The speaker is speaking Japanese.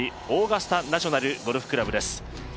オーガスタ・ナショナル・ゴルフクラブです。